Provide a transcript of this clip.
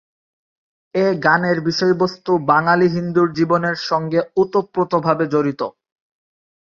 এ গানের বিষয়বস্ত্ত বাঙালি হিন্দুর জীবনের সঙ্গে ওতপ্রোতভাবে জড়িত।